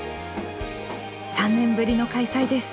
３年ぶりの開催です。